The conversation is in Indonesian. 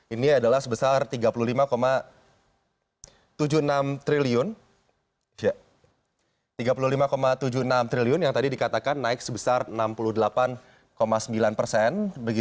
ini adalah sebesar tiga puluh lima tujuh puluh enam triliun yang tadi dikatakan naik sebesar enam puluh delapan sembilan persen